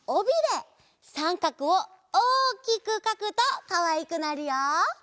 さんかくをおおきくかくとかわいくなるよ。